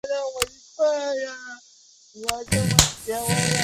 氚光照明的提供正常和低光照条件以下的瞄准能力。